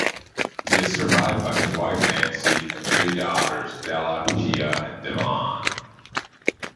He is survived by his wife Nancy and three daughters Della, Shea, and Devon.